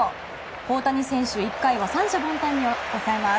大谷選手１回を三者凡退に抑えます。